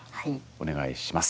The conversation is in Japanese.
お願いします。